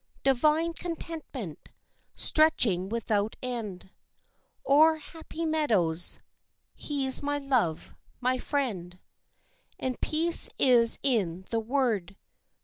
Divine contentment, stretching without end O'er happy meadows. He's my love, my friend, And peace is in the word.